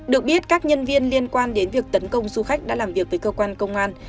được biết các nhân viên liên quan đến việc tấn công du khách đã làm việc với cơ quan công an